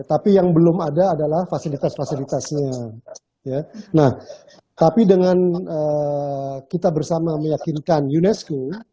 ya tapi yang belum ada adalah fasilitas fasilitas nya tenth tapi dengan kita bersama meyakinkan unesco